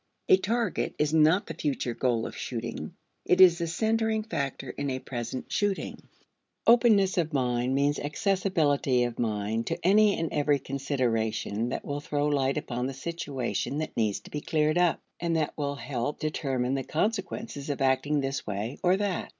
A target is not the future goal of shooting; it is the centering factor in a present shooting. Openness of mind means accessibility of mind to any and every consideration that will throw light upon the situation that needs to be cleared up, and that will help determine the consequences of acting this way or that.